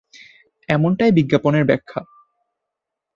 এমনটাই বিজ্ঞানের ব্যাখ্যা।